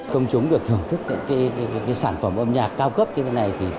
công chúng được thưởng thức những sản phẩm âm nhạc cao cấp như thế này